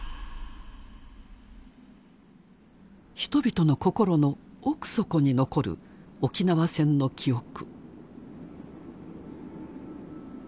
人々の心の奥底に残る沖縄戦の記憶。